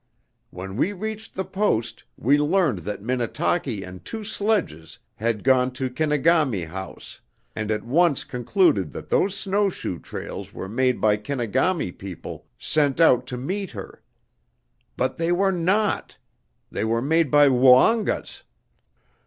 When we reached the Post we learned that Minnetaki and two sledges had gone to Kenegami House and at once concluded that those snow shoe trails were made by Kenegami people sent out to meet her. But they were not! They were made by Woongas!